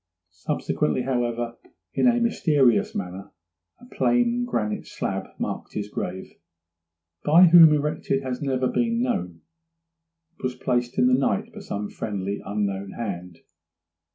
Subsequently, however, in a mysterious manner a plain granite slab marked his grave; by whom erected has been never known. It was placed in the night by some friendly, unknown hand.